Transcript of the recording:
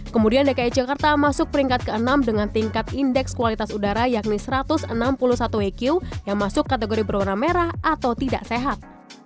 kemudian dki jakarta masuk peringkat ke enam dengan tingkat indeks kualitas udara yakni satu ratus enam puluh satu eq yang masuk kategori berwarna merah atau tidak sehat